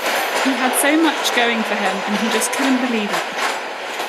He had so much going for him, and he just couldn't believe it.